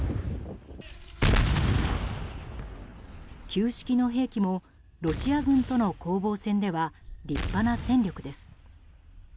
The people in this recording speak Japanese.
旧式の兵器も、ロシア軍との攻防戦では立派な戦力です。